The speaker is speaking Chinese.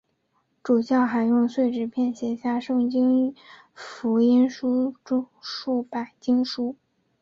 主教还用碎纸片写下圣经福音书中数百经节。